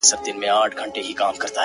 وماته دي وي خپل افغانستان مبارک’